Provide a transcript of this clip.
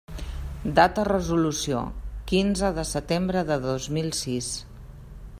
Data resolució: quinze de setembre de dos mil sis.